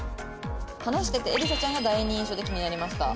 「話しててえりさちゃんが第二印象で気になりました」。